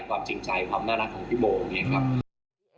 ความจริงใจความน่ารักของพี่โบเนี่ยครับ